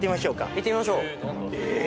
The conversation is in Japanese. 行ってみましょう。